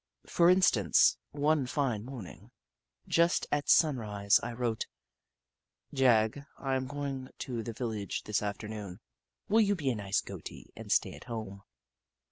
For instance, one fine morning, just at sun rise, I wrote : "Jagg, I am going to the vil lage this afternoon. Will you be a nice Goatie and stay at home